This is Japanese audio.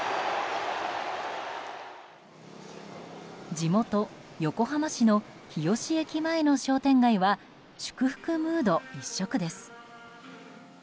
地元・横浜市の日吉駅前の商店街は祝福ムード一色です。